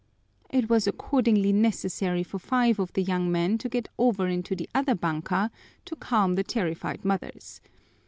It was accordingly necessary for five of the young men to get over into the other banka to calm the terrified mothers.